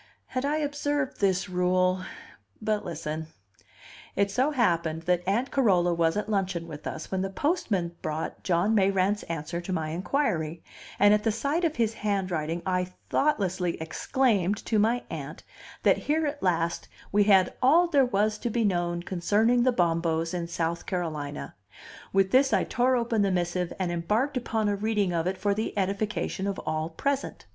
Had I observed this rule but listen: It so happened that Aunt Carola was at luncheon with us when the postman brought John Mayrant's answer to my inquiry, and at the sight of his handwriting I thoughtlessly exclaimed to my Aunt that here at last we had all there was to be known concerning the Bombos in South Carolina; with this I tore open the missive and embarked upon a reading of it for the edification of all present.